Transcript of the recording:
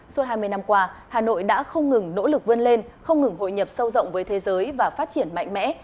suốt hai mươi năm qua hà nội đã không ngừng nỗ lực vươn lên không ngừng hội nhập sâu rộng với thế giới và phát triển mạnh mẽ